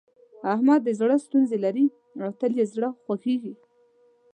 احمد د زړه ستونزې لري او تل يې زړه خوږېږي.